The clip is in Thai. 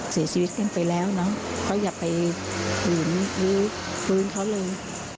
เสียชีวิตขึ้นไปแล้วเนอะเขาอย่าไปฝืนหรือฟื้นเขาเลย